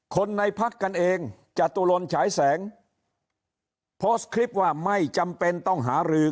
คนในพรรคกันเองจะตุลนฉายแสงพอสคริปต์ว่าไม่จำเป็นต้องหารือ